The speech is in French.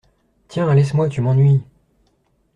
Tiens, laisse-moi, tu m’ennuies !